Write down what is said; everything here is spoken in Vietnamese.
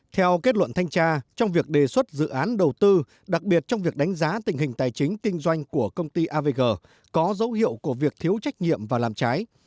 theo kết luận thanh tra trong việc đề xuất dự án đầu tư đặc biệt trong việc đánh giá tình hình tài chính kinh doanh của công ty avg có dấu hiệu của việc thiếu trách nhiệm và làm trái